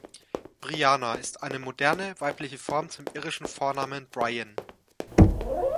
Briana ist eine moderne weibliche Form zum irischen Vornamen Brian.